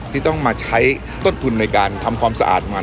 ที่ต้องมาใช้ต้นทุนในการทำความสะอาดใหม่